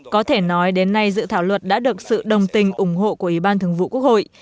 có thể nói đến nay dự thảo luật đã được sự đồng tình ủng hộ của ủy ban thường vụ quốc hội